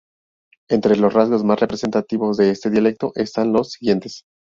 Entre los rasgos más representativos de este dialecto están los siguientes.